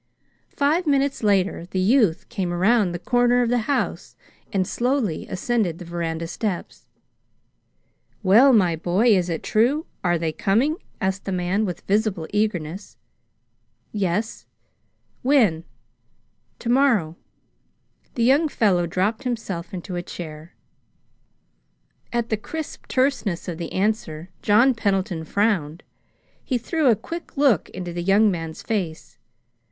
Five minutes later the youth came around the corner of the house and slowly ascended the veranda steps. "Well, my boy, is it true? Are they coming?" asked the man, with visible eagerness. "Yes." "When?" "To morrow." The young fellow dropped himself into a chair. At the crisp terseness of the answer, John Pendleton frowned. He threw a quick look into the young man's face.